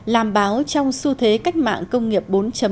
làm báo trong xu thế cách mạng công nghiệp bốn